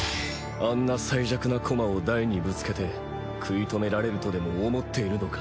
あんな最弱な駒をダイにぶつけて食い止められるとでも思っているのか？